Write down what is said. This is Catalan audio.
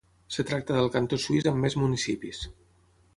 Es tracta del cantó suís amb més municipis.